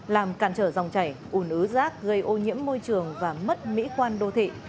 làm càn trở dòng chảy ủn ứ giác gây ô nhiễm môi trường và mất mỹ quan đô thị